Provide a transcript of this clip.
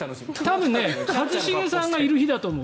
多分一茂さんがいる日だと思う。